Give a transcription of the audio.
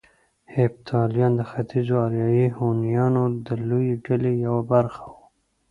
هېپتاليان د ختيځو اریایي هونيانو د لويې ډلې يوه برخه وو